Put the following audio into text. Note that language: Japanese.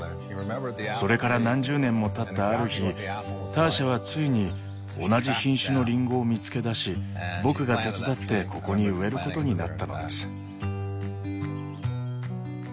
それから何十年もたったある日ターシャはついに同じ品種のリンゴを見つけ出し僕が手伝ってここに植えることになったのです。